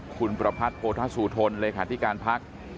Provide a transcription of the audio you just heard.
คุณประพัทธ์โปทัศุธนเลยค่ะที่การพัก